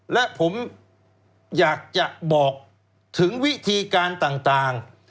และผมอยากจะบอกถึงวิธีการต่าง